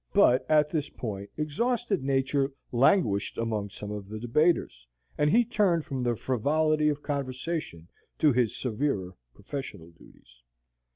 But at this point exhausted nature languished among some of the debaters, and he turned from the frivolity of conversation to his severer professional duties.